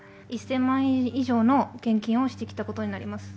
１０００万円以上の献金をしてきたことになります。